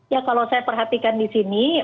ya kalau saya perhatikan di sini